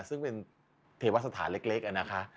ซึ่งเป็นเทวสถานเล็กนะคะ